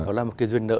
đó là một cái duyên nợ